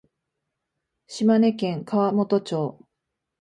島根県川本町